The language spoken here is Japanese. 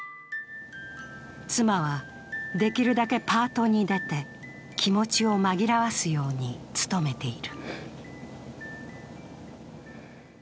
妻は、できるだけパートに出て、気持ちを紛らわすように努めている。